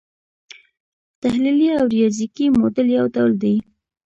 تحلیلي او ریاضیکي موډل یو ډول دی.